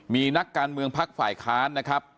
มีนักการเมืองพักฝ่ายค้านนะครับ